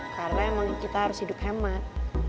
karena emang kita harus hidup hemat